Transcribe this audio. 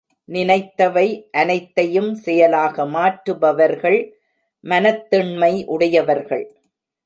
நினைத்தவை அனைத்தையும் செயலாக மாற்றுபவர்கள் மனத்திண்மை உடையவர்கள்.